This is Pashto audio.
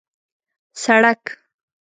سړک